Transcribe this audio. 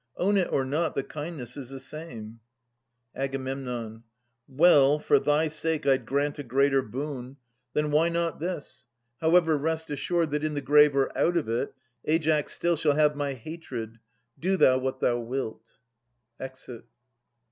Own it or not, the kindness is the same. Ag. Well, for thy sake I'd grant a greater boon; 100 Aias [1371 1401 Then why not this? However, rest assured That in the grave or out of it, Aias still Shall have my hatred. Do thou what thou wilt. [Exit.